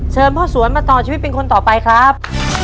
พ่อสวนมาต่อชีวิตเป็นคนต่อไปครับ